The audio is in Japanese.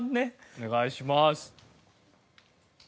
お願いします。